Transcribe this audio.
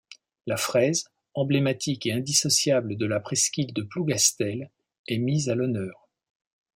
La fraise, emblématique et indissociable de la presqu’île de Plougastel, est mise à l’honneur.